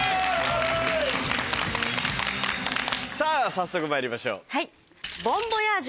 早速まいりましょう。